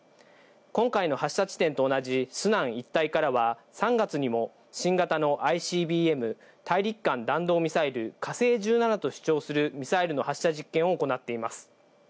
今回の発射地点と同じスナン一帯からは、３月にも新型のＩＣＢＭ・大陸間弾道ミサイル、火星１７と主張するミサイルの発射実験を行っています。